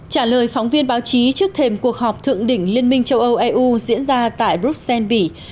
trả lời phóng viên báo chí trước thềm cuộc họp thượng đỉnh liên minh châu âu eu diễn ra tại bruxelles bỉ